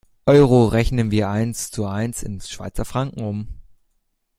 Euro rechnen wir eins zu eins in Schweizer Franken um.